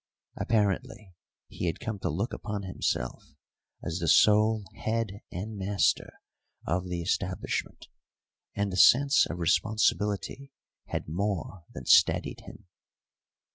Apparently he had come to look upon himself as the sole head and master of the establishment, and the sense of responsibility had more than steadied him.